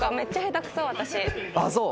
ああそう？